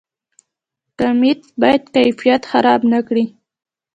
کمیت باید کیفیت خراب نکړي